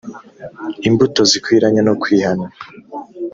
imbuto zikwiranye no kwihana